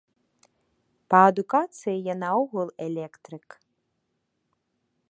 Па адукацыі я наогул электрык.